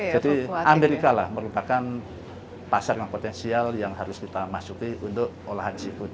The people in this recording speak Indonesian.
jadi amerika lah merupakan pasar yang potensial yang harus kita masuki untuk olahraga disikut